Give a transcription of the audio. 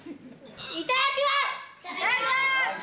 いただきます。